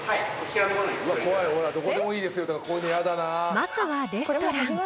［まずはレストラン］